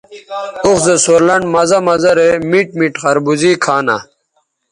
اوخ زو سور لنڈ مزہ مزہ رے میٹ میٹ خربوزے کھانہ